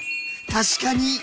確かに。